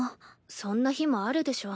そんな日もあるでしょ。